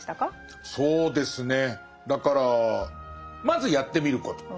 そうですねだからまずやってみること。